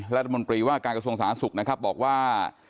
รัฐมนตรีว่าการกระทรวงสาธารณสุขนะครับบอกว่า